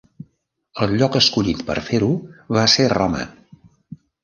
Ell lloc escollit per fer-ho va ser Roma.